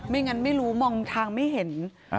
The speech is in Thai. งั้นไม่รู้มองทางไม่เห็น